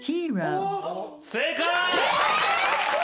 正解！